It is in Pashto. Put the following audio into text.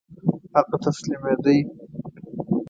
هغه تسلیمېدی.